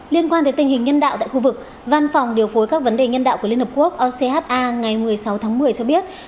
liên quan tới tình hình nhân đạo tại khu vực văn phòng điều phối các vấn đề nhân đạo của liên hợp quốc ocha ngày một mươi sáu tháng một mươi cho biết